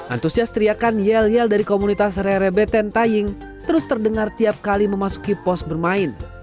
antusias teriakan yel yel dari komunitas rerebeten taying terus terdengar tiap kali memasuki pos bermain